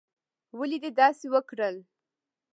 ولې دې داسې وکړل؟